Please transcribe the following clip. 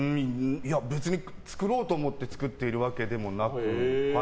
別に作ろうと思って作っているわけでもなく。